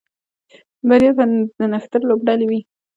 بریا به د نښتر لوبډلې وي